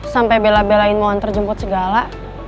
sampai bela belain mau nganter jemput segala